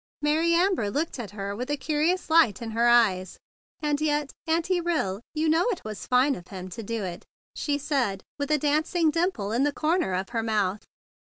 Mary Amber looked at her with a curious light in her eyes. "And yet, Auntie Hill, you know it was fine of him to do it," she said with a dancing dimple in the comer of her mouth.